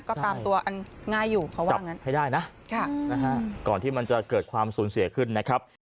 ก็ตามตัวอันง่ายอยู่เพราะว่างั้นให้ได้นะก่อนที่มันจะเกิดความสูญเสียขึ้นนะครับ